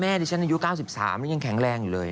ดิฉันอายุ๙๓นี่ยังแข็งแรงอยู่เลย